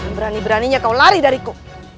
berani beraninya kau lari dariku